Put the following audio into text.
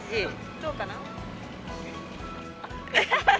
どうかな。